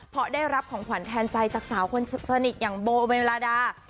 เพราะได้รับของขวัญแทนใจจากสาวคนสนิทอย่างโบเมลลาดา